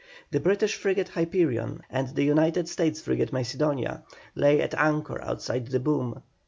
The British frigate Hyperion, and the United States frigate Macedonia, lay at anchor outside the boom.